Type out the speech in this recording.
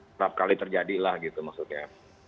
setiap kali terjadilah gitu maksudnya